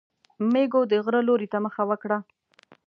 مېزو د غره لوري ته مخه وکړه.